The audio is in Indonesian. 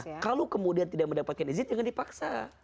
nah kalau kemudian tidak mendapatkan izin jangan dipaksa